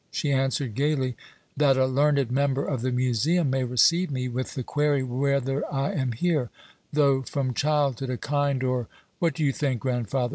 she answered gaily: "That a learned member of the Museum may receive me with the query whether I am here, though from childhood a kind or what do you think, grandfather?